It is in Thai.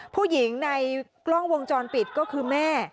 ผู้หญิงในกล้องวงจรปิดก็คือแม่